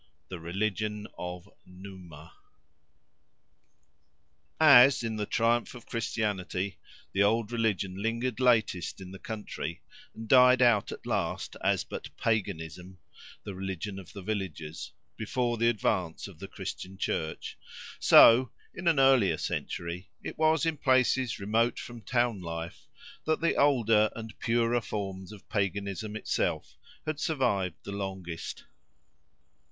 "THE RELIGION OF NUMA" As, in the triumph of Christianity, the old religion lingered latest in the country, and died out at last as but paganism—the religion of the villagers, before the advance of the Christian Church; so, in an earlier century, it was in places remote from town life that the older and purer forms of paganism itself had survived the longest.